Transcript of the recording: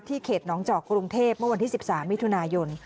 เขตน้องจอกกรุงเทพเมื่อวันที่๑๓มิถุนายน